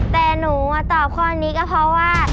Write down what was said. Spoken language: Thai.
แต่หนูมาตอบข้อนี้ก็เพราะว่า